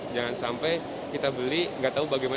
jangan sampai kita beli nggak tahu bagaimana